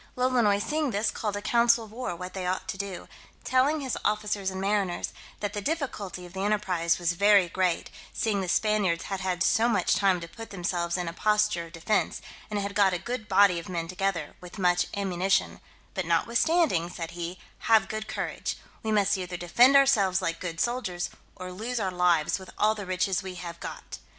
Lolonois seeing this, called a council of war what they ought to do, telling his officers and mariners, "That the difficulty of the enterprise was very great, seeing the Spaniards had had so much time to put themselves in a posture of defence, and had got a good body of men together, with much ammunition; but notwithstanding," said he, "have a good courage; we must either defend ourselves like good soldiers, or lose our lives with all the riches we have got.